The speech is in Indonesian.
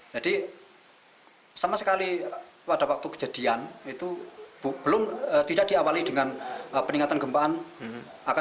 sama sekali pada waktu kejadian itu belum tidak diawali dengan peningkatan gempa